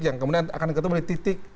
yang kemudian akan ketemu di titik